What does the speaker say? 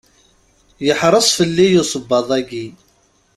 Yeḥreṣ fell-i usebbaḍ-agi.